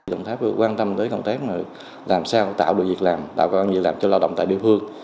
đồng tháp quan tâm tới công tác làm sao tạo được việc làm tạo công an việc làm cho lao động tại địa phương